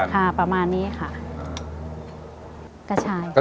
ค่ะประมาณนี้ค่ะ